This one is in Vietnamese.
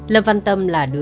lâm văn tâm là đứa cháu út